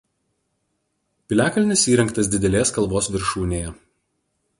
Piliakalnis įrengtas didelės kalvos viršūnėje.